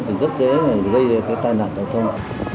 thì rất dễ gây tai nạn giao thông